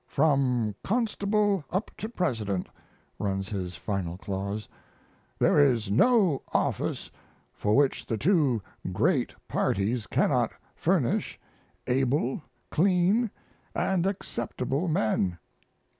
From constable up to President [runs his final clause] there is no office for which the two great parties cannot furnish able, clean, and acceptable men.